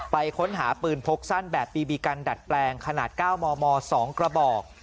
ไปค้นหาปืนพกสั้นแบบบีบีกันดัดแปลงขนาด๙มม๒กระบอก